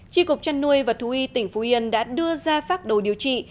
tri cục trăn nuôi và thú y tỉnh phú yên đã đưa ra phát đồ điều trị